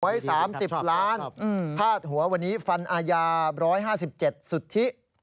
๓๐ล้านพาดหัววันนี้ฟันอาญา๑๕๗สุทธิ